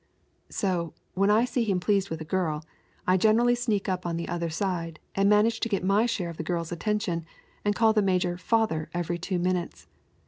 "So, when I see him pleased with a girl, I generally sneak up on the other side, and manage to get my share of the girl's attention, and call the major 'father' every two minutes.